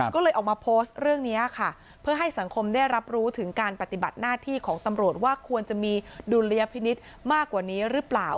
ก็เลยออกมาโพสต์เรื่องนี้ค่ะเพื่อให้สังคมได้รับรู้ถึงการปฏิบัติหน้าที่ของตำรวจว่าควรจะมีดุลยพินิษฐ์มากกว่านี้หรือเปล่า